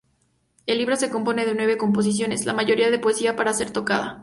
El libro se compone de nueve composiciones, la mayoría de poesía para ser tocada.